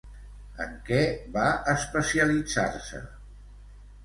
En què va especialitzar-se?